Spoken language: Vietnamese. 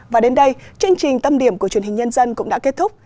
và đến đây chương trình tâm điểm của truyền hình nhân dân cũng đã kết thúc